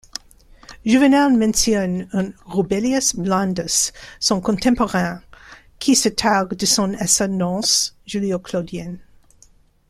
Juvénal mentionne un Rubellius Blandus, son contemporain, qui se targue de son ascendance julio-claudienne.